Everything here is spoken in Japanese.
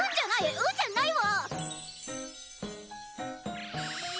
うんじゃないわ！